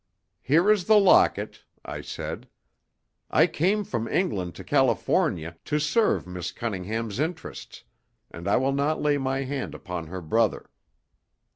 "Here is the locket," I said. "I came from England to California to serve Miss Cunningham's interests, and I will not lay my hand upon her brother."